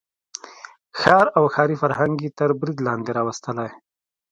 ښار او ښاري فرهنګ یې تر برید لاندې راوستلی.